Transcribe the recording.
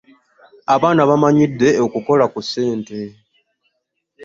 Abaana bamanyidde okukola ku ssente.